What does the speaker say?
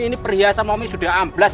ini perhiasan omik sudah amblas